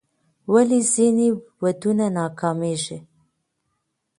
ولې ځینې ودونه ناکامیږي؟